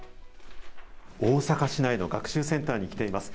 大阪市内の学習センターに来ています。